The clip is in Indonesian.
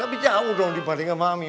tapi jauh dong dibandingin mami